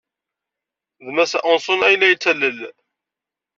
D Massa Hansson ay la yettalel?